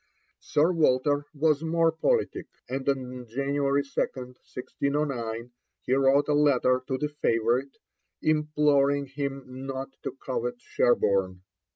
Sir Walter was more politic, and on January 2, 1609, he wrote a letter to the favourite, imploring him not to covet Sherborne.